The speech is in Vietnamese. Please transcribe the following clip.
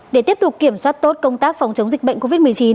để tiếp tục kiểm soát tốt công tác phòng chống dịch bệnh covid một mươi chín